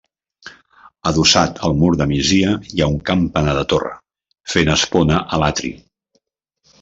Adossat al mur de migdia hi ha un campanar de torre, fent espona a l'atri.